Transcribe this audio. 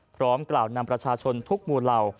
พร้อมกล่าวนำประชาชนทุกหมู่เหล่า